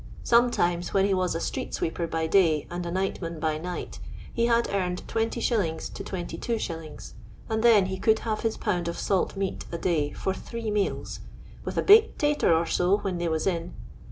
Sometimes, when he was a street sweeper by day and a nightman by nigh^ he had earned 20<. to 22s. ; and then he could have his pound of salt meat a day, for three meals, with a " baked tatur or so, when they was in."